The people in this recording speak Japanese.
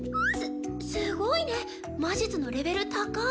すすごいね魔術のレベル高い！